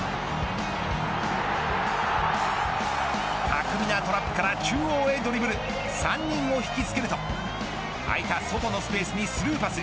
巧みなトラップから中央へドリブル３人を引きつけると空いた外のスペースにスルーパス。